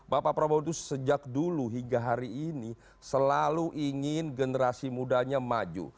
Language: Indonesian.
bapak prabowo itu sejak dulu hingga hari ini selalu ingin generasi mudanya maju